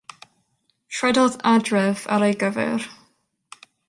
Rhedodd adref ar ei gyfer.